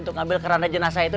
untuk ngambil keranda jenazah itu